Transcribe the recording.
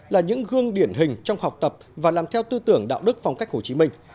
là những gương điển hình trong học tập và làm theo tư tưởng đạo đức phong cách hồ chí minh